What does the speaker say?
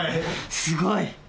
すごい。